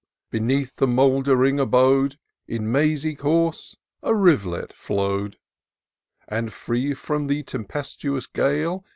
Beneath the mouldering abode. In mazy course a riv'let flow'd ; And, free frcwn the tempestuous gale.